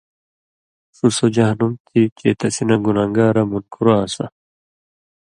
ݜُو سو جہنم تھی چے تسی نہ گنان٘گارہ مُنکُر آن٘سہ۔